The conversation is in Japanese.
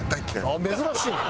ああ珍しいね。